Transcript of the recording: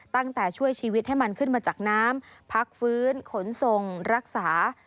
ช่วยชีวิตให้มันขึ้นมาจากน้ำพักฟื้นขนส่งรักษา